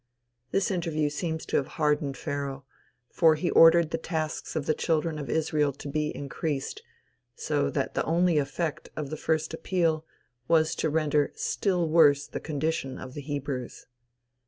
This interview seems to have hardened Pharaoh, for he ordered the tasks of the children of Israel to be increased; so that the only effect of the first appeal was to render still worse the condition of the Hebrews.